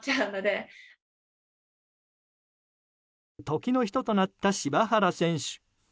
時の人となった柴原選手。